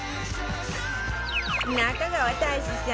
中川大志さん